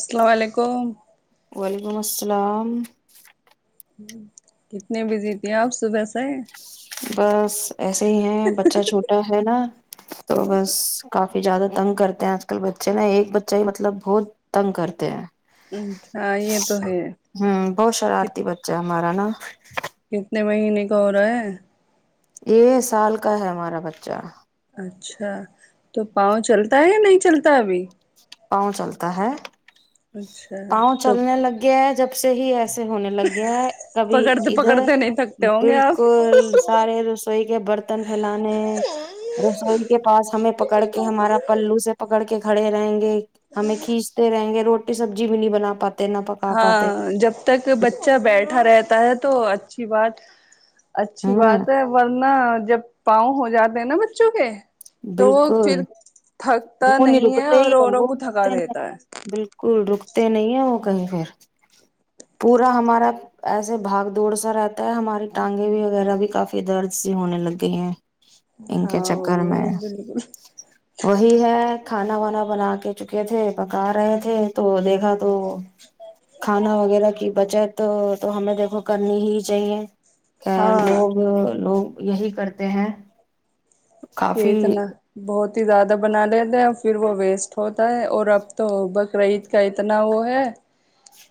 السلام علیکم وعلیکم السلام کتنے بزی تھی آپ صبح سے ہی بس ایسے ہی ہے بچہ چھوٹا ہے نا تو بس کافی زیادہ تنگ کرتے ہیں آج کل بچے نا ایک بچہ ہی مطلب بہت تنگ کرتے ہیں اچھا ھا یہ تو ہے ک مارا نا کتنے مہینے کا ہو رہا ہے یہ سال کا ہے ہمارا بچہ اچھا تو پاؤں چلتا ہے یا نہیں چلتا ابھی پاؤں چلتا ہے اچھا پاؤں تو چلنے لگ گیا ہے جب سے ہی ہے سے ہونے لگ گیا ہے کبھی پکڑتے ادھر پکڑتے نہیں تھکتے ہوں گے آپ بالکل سارے رسوئی کے برتن پھیلانے رسوئی کے پاس ہمیں پکڑ کے ہمارا پلو سے پکڑ کے خڑے ھے رہیں گے ہمیں کھینچتے رہیں گے روٹی روٹی سبزی بھی نہیں بنا پاتی ہاں جب تک بچہ بیٹھا رہتا ہے تو اچھی بات اچھی ہاں بات ہے ورن جب پاؤں ہو جاتے ہیں نا بچوں کے تو وہ بالکل پھر تھکتا وہ نہیں رکتے ہی اور ہے اوروں وہ کو تھکا نہیں دیتا ہے بالکل رکتے نہیں ہے وہ کہیں پھر پورا ہمارا ایسے بھاگ دوڑ سا رہتا ہے ہماری ٹانگیں بھی وغیرہ بھی کافی درد سی ہونے لگے ہیں ان کے ہاں وہ چکر بھی میں وہی ہے کھانا وانا بنا کے چکے تھے پکا رہے تھے تو دیکھا تو کھانا وغیرہ کی بچت تو ہمیں دیکھو کرنی ہی چاہیے ہاں لوگ لوگ یہی کرتے ہیں کافی کھیت نہ بہت زیادہ بنا لیتے ہیں اور پھر وہ ویسٹ ہوتا ہے اور اب تو بقرعید کا اتنا وہ ہے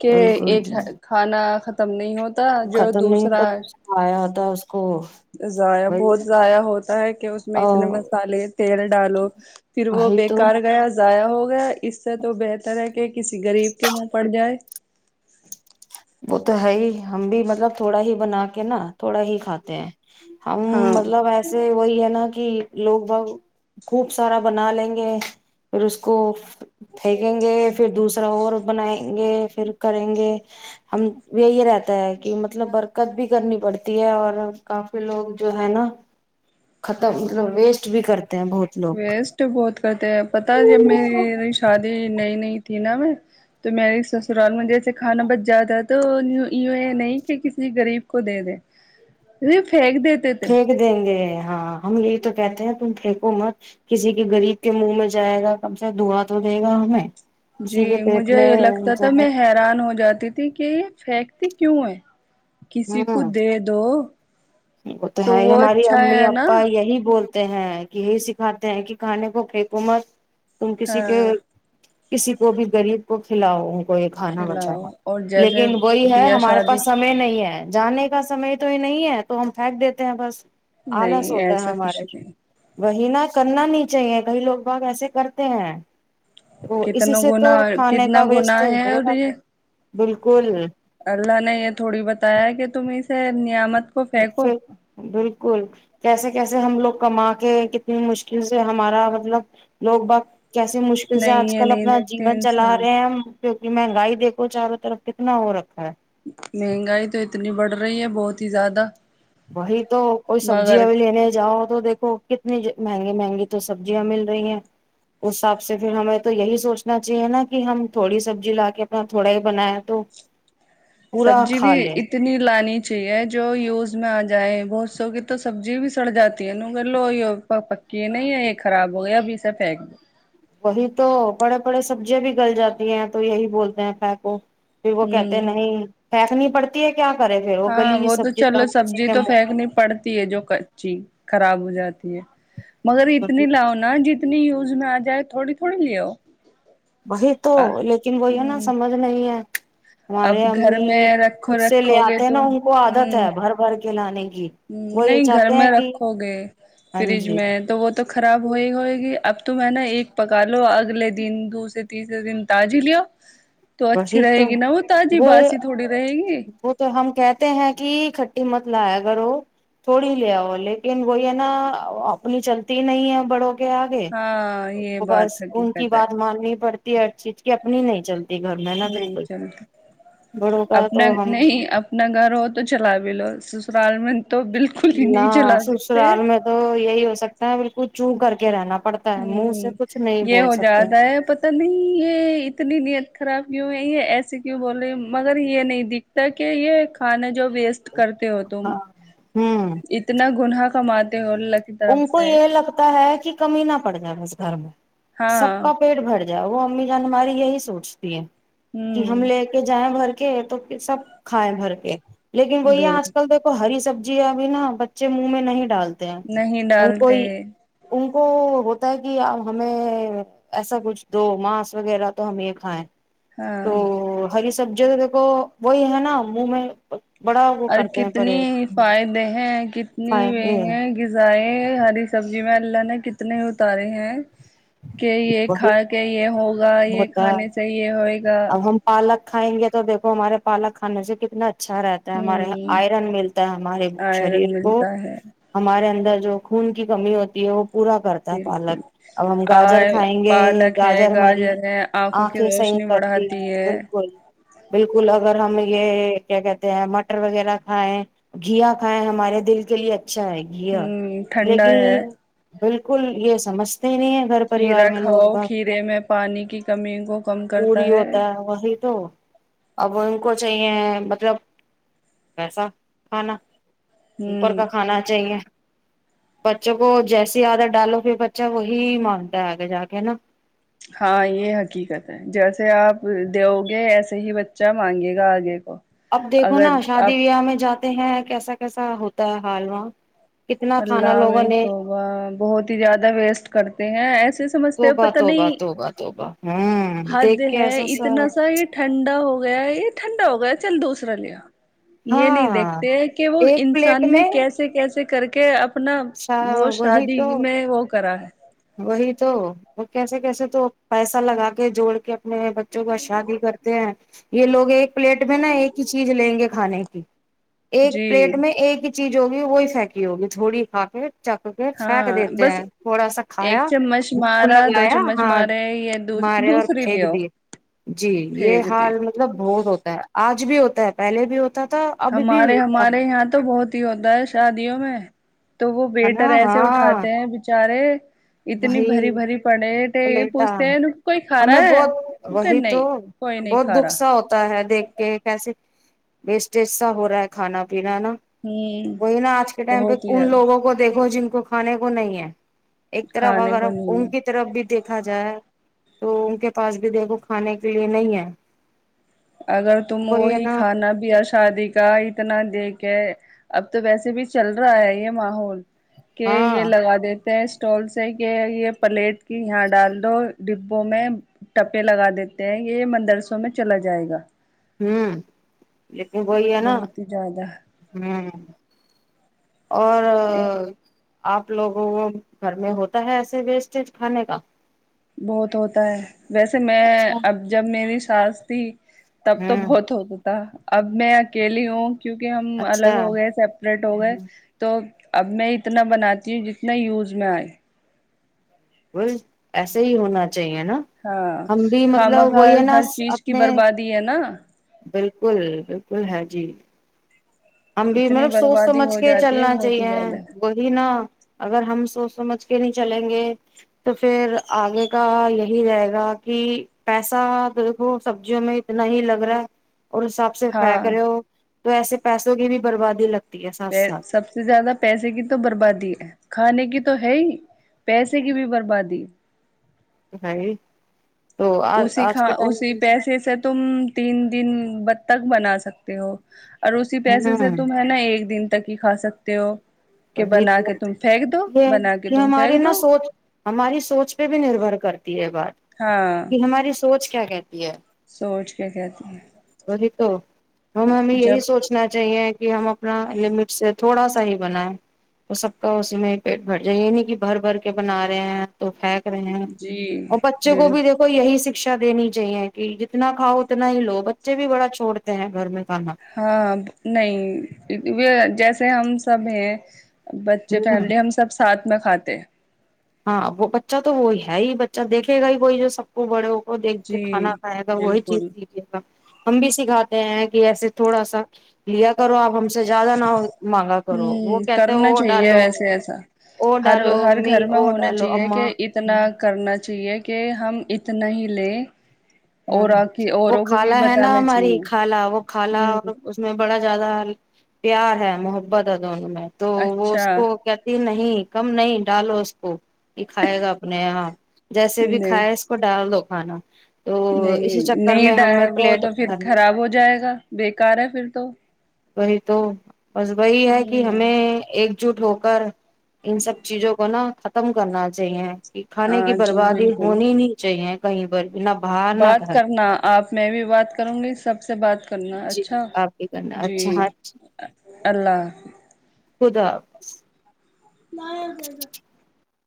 کہ بالکل ایک جی کھانا تم نہیں ہو جو ختم نہیں ہوتا دوسرا کچھ آیا ہوتا اس کو ہے ضائع وہی بہت ضائع ہوتا ہے کہ اس میں اتنے وہی مسالے تیل ڈالو پھر وہ تو بےیکار گیا ضائع ہوگیا اس سے تو بہتر ہے کہ کسی غریب کے منہ پڑ جائے وہ تو ہے ہی ہم بھی مطلب تھوڑا ہی بنا کے نا تھوڑا ہی کھاتے ہیں ہم ہاں مطلب ایسے وہی ہے نا کہ لوگ بت خوب سارا بنا لیں گے پھر اس کو پھینکیں گے پھر دوسرا اور بنائیں گے پھر کریں گے ہم یہی رہتا ہے کہ مطلب برکت بھی کرنی پڑتی ہے اور کافی لوگ جو ہے نا ختم مطلب ویسٹ بھی کرتے تے ہیں بہت لوگ ویسٹ بہت کرتے ہیں پتا جب میری شادی نئی نہیںئی تھی نا میں تو میے سسرال میں جیسے کھانا بچ جاتا تو نہیں کہ کسی غریب کو دے دے پھینک دیتے تھے پھینک دیں گے ہاں ہم یہ تو کہتے ہیں تم پھییکو مت کسی کے غریب کے منہ میں جائے گا کم سے دعاں تو دے گا ہمیں کسی جی کے پیٹ مجھے میں یہ لگتا تھا جائے میں حیران ہو جاتی تھی کہ فیک ت کیوں ہے کسی کو ہوں دے دو وہ تو ہے ہماری اچھا امی ہے نا اا یہی بولتے ہیں کہ یہی سکھاتے ہیں کہ کھانے کو ککومت تم کسی کے ہاں کسی کو بھی غریب کو کھلاؤ کو یہ کھانا کھلاؤ بچاا اور جیسے لیکن وہی ہے بیا ہمارے شادی پاس سمے نہیں ہے جانے کا سم تو ہی نہیں ہے تو ہم پھینک دیتے ہیں بس آنا نہیں سوتا ہے ایسا ہمارے کچھ نہیں وہیں نہ کرنا نہیں چاہیے کئی لوگ باگ ایسے کرتے ہیں تو اسی کتنا سے گنا تو کھانے کتنا کا گنااہ ویسٹیج ہے ہو اور رہا یہ بالکل اللہ نے یہ تھوڑی بتایا کہ تم س نعامت [unintelligible] بالکل کیسے کیسے ہم لوگ کما کے کتنی مشکل سے ہمارا مطلب لوگ بت کیسے مشکل سے نہیں آج یہ کل نہیں اپنا دیکھتے جیون چلا انسان رہے ہیں ہم کیونکہ مہنگائی دیکھو چاروں طرف کتنا وہ رکھا ہے مہنگائی تو اتنی بڑھ رہی ہے بہت ہی زیادہ وہی تو کوئی سبزی مگر ا لینے جاؤ تو دیکھو مہنگے مہنگی تو سبزیاں مل رہی ہیں اس حساب سے پھر ہمیں تو یہی سوچنا چاہیے نا کہ ہم تھوڑی سبزی لا کے اپنا تھوڑا ہی بنایا تو پورا سبزی بھی کھا لیں اتنی لانی چاہیے جو یوز آ جائےیں بہت سو کی تو سبزی بھی سڑ جاتی ہے نگر لو یہ پکی ہے نہیں ہے یہ خراب ہو گیا ابھیے پھینک د وہی تو بڑے بڑے سبزیاں بھی گل جاتی ہیں تو یہی بولتے ہیں پ کو پ وہ دو کہتے ہ نہیں پھیسنی پڑتی ہے کیا کرے پھر ہاں گلی ہوئی وہ تو سبزی چلو ہم کسی سبزی کے تو منہ پھینکنی پڑتی ہے جو کچی خراب ہو جاتی ہے مگر اتنی لاؤ نا جتنی اتنی یوز میں آ جائے تھوڑی تھوڑی لے آؤ وہی تو لیکن وہی نا ہ سمجھ نہیں ہے اب ہمارے گھر امی میں رکھو خود سے لے رکھو گے آتے ہیں نا ان کو عادت ہے بھر بھر کے نہیں ہ نہیں گھر میں رکھو گے ہاں فریج جی میں تو وہ تو خراب ہو ہی ہوئے گی اب تو میں نے ایک پکا ملو اگلے دن دوسر تیسرے دن تازی لو وہی تو وہ تھوڑی رہے گی وہ تو ہم کہتے ہیں کہ کھٹی مت ل اگر وہ تھوڑی لے آ وہ لیکن وہ یہ نا اپنی چلتی نہیں ہے بڑ آگے ہاں یہ بس بات ان کی حقیقت ہے بات ماننی پڑتی چیز کہ اپنی ہی نہیں چلتی گھر میں نا نہیں بالکل چل بڑوں کا اپنا تو ہم نہیں اپنا گھر ہو تو چلا بھی لو سسرال م [unintelligible] نہ سسرال میں تو یہی ہو سکتا ہے بالکل چو کر کے رہنا پڑتا ہے منہ سے ہ کچھ نہیں یہ بول ہو سکتے جاتا ہیں ہے پت نہیں یہ اتنی ن خراب کیوں ہے یہ ایسے کیوں بول رہے مگر یہ نہیں دکھتا کہ یہ کھانا جو ویسٹ کرتے ہو تم ہاں ہوں اتنا گن کماتے ہو اللہ کی طرف سے کی کمی نہ پڑ جائے بس گھر میں سب ہاں کا پیٹ بھر ج ج وہ امی جان ہماری یہی سوچتی ہے کہ ہم ہوں لے کے جائیں گھر تو پھر سب کھائے بھر کے لیکن وہ یہ بل آج کل دیکھو ہری سب جی ابھی نا بچے منہ میں نہیں ڈالتے ہیں نہیں ان کو ڈالتے ان کو ہوتا ہے کہ آ ہمیں ایسا کچھ دو مانس وغیرہ تو ہم یہ کھائیں ہاں سبزیوں تو دیکھو وہی ہے نا منہ میں بڑا وہ اور کرتے ہیں کتنے پرے ہی فائدے ہیں کتنے کھائیں نیو گے ہیں غذائے ہری سبزی ج میں اللہ نے کتنے اتارے ہیں کہ یہ وہی کھا کے یہ ہوگا یہ ہوتا کھانے چاہیے ہوئے گا ھائیں گے تو دیکھو ہمارے پالک کانے سے کتنا اچھا اچھا رہتا ہے ہمارے یہ ہوں آئرن ملتا ہے ہمارے شریر آئرن کو ملتا ہے ہمارے اندر جو خون کی کمی ہوتی ہے وہ پورا کرتا ہے بالکل پالک اب ہم اور گاجر کھائیں گے پالک ہے گاجر مری ہے آنکھوں کی آنکھیں صحیح روشنی کرتی ہیں بڑھاتی ہے بالکل بالکل اگر ہم یہ کیا کہتے ہیں مٹر وغیرہ کھائیں گھیا کھائیں ہمارے دل کے لیے اچھا اچھا ہے گی ہ ٹھنڈا لیکن ہے بالکل یہ سمجھتے نہیں ہیں کھیرا کھاؤ کھیرے میں پانی کی کمی کو کم کرتا پوری ہے ہوتا وہی تو اب ان کو چاہیے مطلب پیسا کھانا اوپر ہوں کا کھانا چاہیے بچوں کو جیسی عادت ڈالو پھر بچہ وہی مان کے جا کے ہےا [unintelligible] ہاں یہ حقیقت ہے جیسے آپ دوؤ گے ایسے ہی بچہ مانگے گا آگے کو اب دیکھو نا اگر شادی آپ بیاہ میں جاتا ہیں کیسا کیسا ہوتا ہے حال وہاں کتنا کھانا اللہ لوگوں بھی نے تو وہ بہت ہی زیادہ ویسٹ کرتے ہیں ایسے سمجھتے ہو توبہ پت توبہ نہیں توبہ توبہ ہوں حد دیکھ کے ہے ایسا اتنا سا یہ ٹھنڈا ہو گیا ہے یہ ٹھنڈا ہو گیا چل دوسرا لیا یہ نہیں ہاں دیکھتے ہیں کہ وہ ایک پلیٹ انسان نے میں کیسے کیسے کر کے کہ [unintelligible] اپنا وہ وہی شادی تو میں وہ کرا ہے وہی تو وہ کیسے کیسے تو پیسہ لگا کے جوڑ کے بچوں کا شادی کرتے ہیں [unintelligible] یہ لوگ ایک [unintelligible] پلیٹ میں نا ایک ہی چیز لیں گے ہ نہیںیک [unintelligible] ایک جی پلیٹ میں ایک چیز ہوگی وہی پھیکی ہوگی تھوڑی کا پ چک کے پھینک ہاں دیتے بس ہیں تھوڑا سا ایک کھایا چمچ منہ مارا دو لگایا چمچ ہاتھ مارے یہ مارے اور دوسری پھینک بھی ہو دیے جی یہ پھینک دی حال مطلب بہت ہوتا ہے آج بھی ہوتا ہے پہل بھی ہوتا تھا اب بھی ہمارے ہوتا ہمارے ہے یہاں تو بہت ہوتا ہے شادیوں میں [unintelligible] تو وہ بیٹر نا ایسے ہاں اٹھاتے ہیں بیچارے وہی یہ پلیٹا پوچھتے ہیں کوئی کھا ہمیں رہا ہے بہت کیونکہ وہی نہیں تو کوئی نہیں بہت کھا دکھ رہا سا ہوتا ہے دیکھ کے کیسے وسٹیج سا ہو رہا ہے کھانا پ نا ہوں وہی نا آج کے ٹائم پہ بہت ہی ان زیادہ لوگوں کو دیکھو جن کو کھانے کو نہیں ہے [unintelligible] ایک طرف کھانے اگر کو نہیں ان ہے کی طرف بھی دیکھا جائے تو ان کے پاس بھی دیکھو کھانے کے لیے نہیں ہے [unintelligible] اگر تم کوئی ہے وہی نا کھانا بھی آ [unintelligible] شادی کا اتنا دیکھ کے اب تو ویسے بھی چل رہا ہے یہ ماحول کہ ہاں یہ لگا دیتے ہیں [unintelligible] اسٹالس ہے کہ یہ پلیٹ کی یہاں ڈال دو ڈبوں میں ٹپے لگا دیتے ہیں یہ مدرسوں میں چلا جائے گا [unintelligible] ہوں [unintelligible] لیکن کوئی ہے نا بہت ہی زیادہ ہوں اور آپ لوگوں گھر میں ہوتا ہے ایسے ویسٹیج کھانے کا بہت ہوتا ہے ویسے میں اچھا اب جب میری سس تھی تب تو ہوں بہت ہو گ ت ت اب میں اکیلی ہوں کیونکہ ہم اچھا الگ ہو گئے سپریٹ ہو گئے تو اب میں اتنا بناتی ہوں جتنے یوز میں آئے بس ایسے ہی ہونا اہ نا ہاں ہم بھی خامہ مطلب خواہ وہی ہے نا ہر چیز کی اپنے بربادی ہے نا بالکل بالکل ہے جی ہم بھی اتنی مطلب سوچ بربادی سمجھ ہو کے جاتی ہے چلنا بہت ہی چاہیے زیادہ وہی نا اگر ہم سوچ سمجھ کے نہیں چلیں گے تو پھر آگے کا یہی رہے گا کہ پیسہ تو دیکھو سبزیوں میں اتنا ہی لگ رہا ہے اور حسب سےف ہاں کر ہو تو ایسے پیسوں کی بھی بربادی لگ پ سب سے زیادہ پیسے کی تو بربادی ہے کھانے کی تو تو ہے ہی پیسے کی بھی بربادی ہے اسی کا اسی پیسے سےب تم تین دن بد تک بنا سکتے ہو اور اسی پیسے سے ہاں تم ہے نا ایک دن تک کھا سکتے ہو کہ وہی بنا تو کے تم پھینک دو یہ بنا کے یہ تم ہماری پھینک نہا دو سوچ ہماری سوچ پہ بھی نربھر کر ہے بات ہاں لن ہماری سوچ کیا کہتی [inaudible] سوچ کے کہتی ہیں تو ہم ہمیں یہی جب سوچنا چاہیے کہ ہم اپنا لمٹ سے تھوڑا سا ہی بنائیں تو سب کا اسی میں پیٹ بھر جائے یہ نہیں کہ بھر بھر کے بنا رہے ہیں تو پھیک رہے ہیں جی اور بچوں کو بھی بالکل دیکھو یہی س شکشا دینی چاہیے کہ جتنا کھاؤ اتنا ہی لو بچے بھی بڑا چھوڑتے ہیں گھر میں کھانا ہاں نہیں جیسے ہم سب ہیں بچے ہ فیملی ہم سب ساتھ نہ کھاتے ہاں وہ بچہ تو وہی ہے ہی بچہ دیکھے گا ہی وہی جو سب بڑوں کو دیکھ کے جی کھانا کائے گا وہی چیز بالکل سیکھے گا ہم بھی سکھاتے ہیں کہ ایسے تھوڑا سا لیا کرو آپ ہم سے زیادہ نہ مانگا کرو وہ ہوں کہتے ہیں کرنا وہ چاہیے ڈالو ویسے ایسا وہ ہر ڈالو ہر می گھر میں ہونا چاہیے کہ اتنا کرنا چاہیے کہ کہ ہم اتنا ہی لیں ہ اور کی وہ اوروں کو بھی خالا ہے نا بتانا ہماری چاہیے خالہ وہ کالا ہوں اور اس میں بڑا زیاد پیار ہے محبت ہے دونوں میں تو وہ اچھا اس کو کہتی نہیں نہیں کم نہیں ڈالو اس کو یہ کھائے گا اپنے یہاں جیسے بھی نہیں کھائے اس کو ڈال دو ہ نا نہیں نہیں وہ تو پھر بھرنی خراب ہو جائے گا بیکار ہے پھر تو وہی تو بس وہی ہے کہ ہمیں ہوں ایک ایک جٹ ہو کر ان سب چیزوں کو نا ختم کرنا چاہیے کھانے کی ہاں جی بربادی بالکل ہونی نہیں چاہیے کہیں بول بات کرنا آپ میں بھی بات کروں گی سب سے بات کرنا ہے جی اچھا آپ کی کرنا جی اچھا ہاں اللہ خدا حاظ [inaudible] [unintelligible]